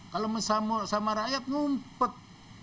kalau sama rakyat ngumpet